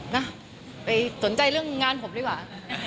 นะไปสนใจเรื่องงานผมดีกว่า